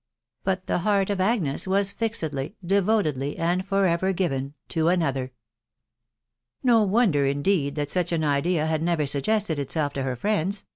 ... But the heart of Agnes was fixedly, devotedly, and for ever given to another. No wonder, indeed, that such an idea had never suggested itself to her friends